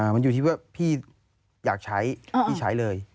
มันอยู่ที่ว่าพี่อยากใช้พี่ใช้เลย